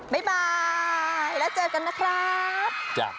บายแล้วเจอกันนะครับ